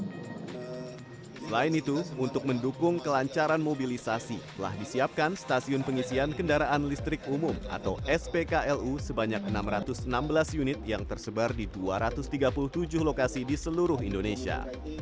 selain itu untuk mendukung kelancaran mobilisasi telah disiapkan stasiun pengisian kendaraan listrik umum atau spklu sebanyak enam ratus enam belas unit yang tersebar di dua ratus tiga puluh tujuh lokasi di seluruh indonesia